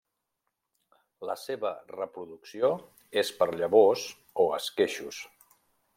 La seva reproducció és per llavors o esqueixos.